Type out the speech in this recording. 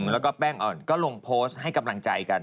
แล้วก็แป้งอ่อนก็ลงโพสต์ให้กำลังใจกัน